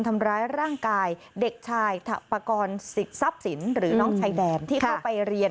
ทำร้ายร่างกายเด็กชายถปกรณ์ทรัพย์สินหรือน้องชายแดนที่เข้าไปเรียน